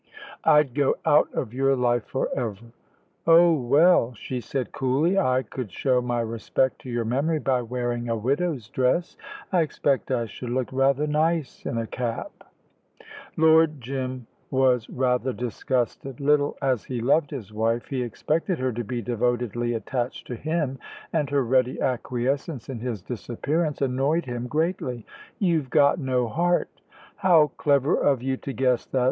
"I'd go out of your life for ever." "Oh, well," she said coolly; "I could show my respect to your memory by wearing a widow's dress. I expect I should look rather nice in a cap." Lord Jim was rather disgusted. Little as he loved his wife, he expected her to be devotedly attached to him, and her ready acquiescence in his disappearance annoyed him greatly. "You've got no heart." "How clever of you to guess that!